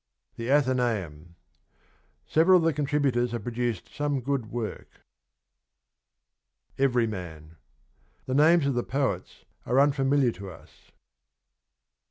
THE ATHENAEUM. Several of the contributors have produced some good work. EVERYMAN. The names of the poets are unfamiliar to us.